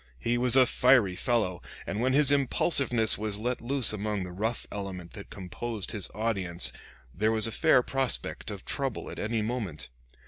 He was a fiery fellow, and when his impulsiveness was let loose among the rough element that composed his audience there was a fair prospect of trouble at any moment.